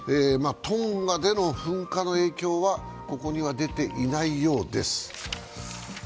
トンガでの噴火の影響はここには出ていないようです。